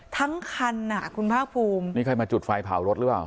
ทั้งคันอ่ะคุณภาคภูมินี่ใครมาจุดไฟเผารถหรือเปล่า